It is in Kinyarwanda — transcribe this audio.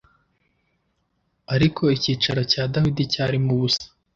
ariko icyicaro cya Dawidi cyarimo ubusa.